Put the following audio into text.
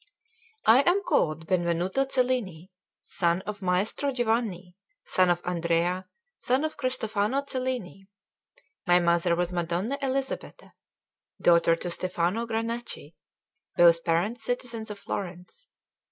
I am called Benvenuto Cellini, son of Maestro Giovanni, son of Andrea, son of Cristofano Cellini; my mother was Madonna Elisabetta, daughter to Stefano Granacci; both parents citizens of Florence.